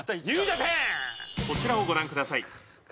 「こちらをご覧ください」